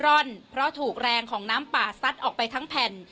ร่อนเพราะถูกแรงของน้ำป่าซัดออกไปทั้งแผ่น